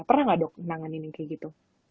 pernah gak dok nanganin kayak gitu